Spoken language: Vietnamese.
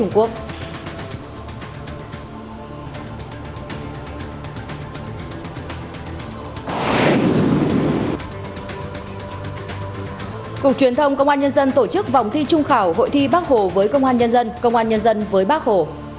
công an nhân dân tổ chức vòng thi trung khảo hội thi bác hồ với công an nhân dân công an nhân dân với bác hồ